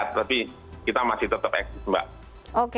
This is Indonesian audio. tapi kita masih tetap eksis mbak